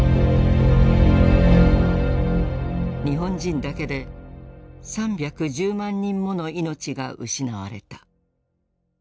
日本人だけで３１０万人もの命が失われた。